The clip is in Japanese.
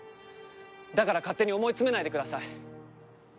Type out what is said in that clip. だから勝手に思い詰めないでください。